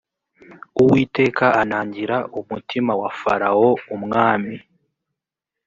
uwiteka anangira umutima wa farawo umwami